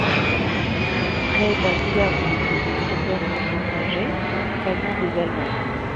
Près d'un tiers de ces visiteurs sont étrangers, principalement des Allemands.